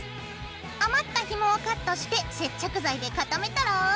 余ったひもをカットして接着剤で固めたら。